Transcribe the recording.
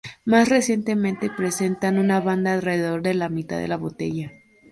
Más recientemente, presentan una banda alrededor de la mitad de la botella.